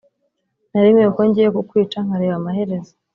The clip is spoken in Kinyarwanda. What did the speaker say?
narimwe kuko ngiye kukwica nkareba amaherezo.